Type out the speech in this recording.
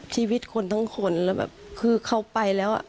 ชีวิตคนทั้งคนเราก็คือเข้าไปแล้ว